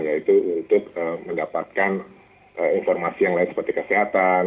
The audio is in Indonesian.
yaitu untuk mendapatkan informasi yang lain seperti kesehatan